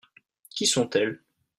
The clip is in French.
Qui sont-elles ?